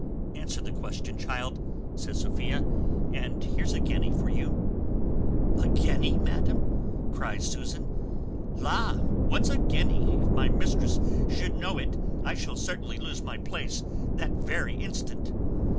"Answer the question, child," says Sophia, "and here's a guinea for you." "A guinea! madam," cries Susan; "la, what's a guinea? If my mistress should know it I shall certainly lose my place that very instant."